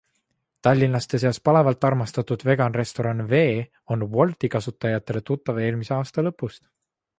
Tallinlaste seas palavalt armastatud Vegan Restoran V on Wolti kasutajatele tuttav eelmise aasta lõpust.